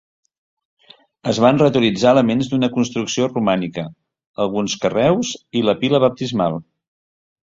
Es van reutilitzar elements d'una construcció romànica, alguns carreus i la pila baptismal.